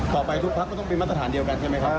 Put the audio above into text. ไปทุกพักก็ต้องเป็นมาตรฐานเดียวกันใช่ไหมครับ